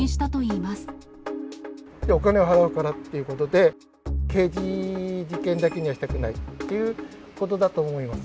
いや、お金を払うからってことで、刑事事件にだけにはしたくないっていうことだと思います。